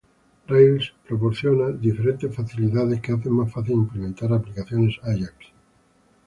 Rails proporciona diferentes facilidades que hacen más fácil implementar aplicaciones Ajax.